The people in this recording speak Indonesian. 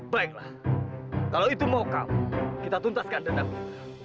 baiklah kalau itu mau kau kita tuntaskan dendam kita